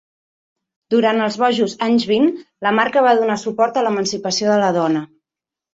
Durant els bojos anys vint, la marca va donar suport a l'emancipació de la dona.